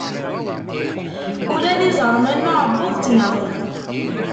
Ula d iẓerman n uɛebbuḍ ttnaɣen.